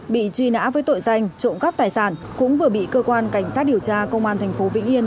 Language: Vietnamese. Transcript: bị truy nã với tội danh trộm cắp tài sản cũng vừa bị cơ quan cảnh sát điều tra công an tp vĩnh yên